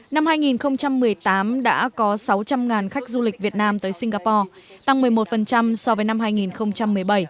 năm hai nghìn một mươi tám đã có sáu trăm linh khách du lịch việt nam tới singapore tăng một mươi một so với năm hai nghìn một mươi bảy